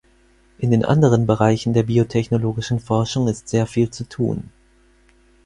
In den anderen Bereichen der biotechnologischen Forschung ist sehr viel zu tun.